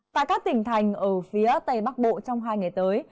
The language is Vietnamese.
tại các tỉnh thành ở phía tây bắc bộ trong hai ngày tới